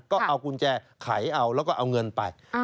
ก็เอากุญแจไขเอาแล้วก็เอาเงินไป